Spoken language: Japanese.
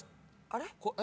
あれ？